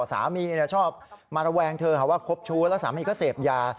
สามีชอบมาระแวงเธอหาว่าคบชู้แล้วสามีก็เสพยา